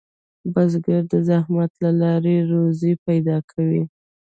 بزګر د زحمت له لارې روزي پیدا کوي